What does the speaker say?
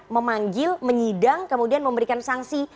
memanggil menyidang kemudian memberikan sanksi